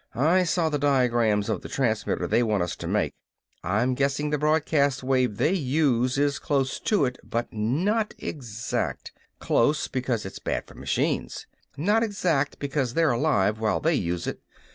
"I saw the diagrams of the transmitters they want us to make. I'm guessing the broadcast wave they use is close to it but not exact. Close, because it's bad for machines. Not exact, because they're alive while they use it.